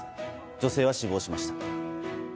女性は死亡しました。